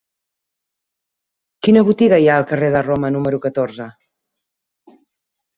Quina botiga hi ha al carrer de Roma número catorze?